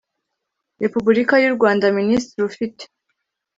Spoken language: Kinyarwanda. repubulika y u rwanda minisitiri ufite